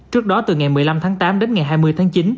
trước đó từ ngày một mươi năm tháng tám đến ngày hai mươi tháng chín